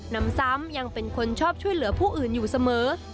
นำซ้ำยังเป็นคนชอบช่วยเหลือผู้อื่นอยู่เสมอ